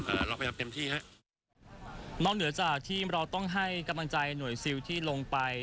เราพยายามเต็มที่ฮะนอกเหนือจากที่เราต้องให้กำลังใจหน่วยซิลที่ลงไป